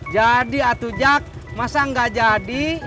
jadi atu jak masa enggak jadi